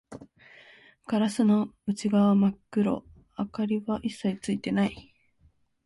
ガラスの内側は真っ暗、明かりは一切ついていない